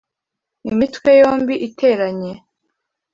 Imitwe yombi iteranye